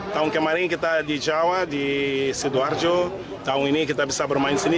tahun kemarin kita di jawa di sidoarjo tahun ini kita bisa bermain di sini